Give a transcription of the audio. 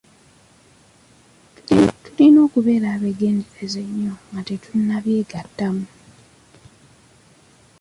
Tulina okuba abeegendereza ennyo nga tetunnabyegattamu